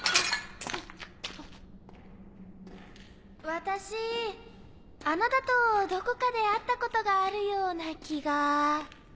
私あなたとどこかで会ったことがあるような気が。